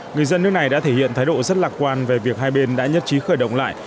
người dân nước này đã thể hiện thái độ rất lạc quan về việc hai bên đã nhất trí khởi động lại